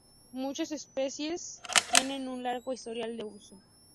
Muchas especies de "Eryngium" tienen un largo historial de uso.